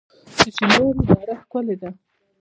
د شینوارو دره ښکلې ده